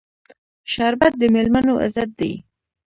شربت د میلمنو عزت دی